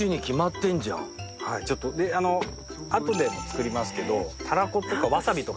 ちょっとあのあとで作りますけどたらことかわさびとかも。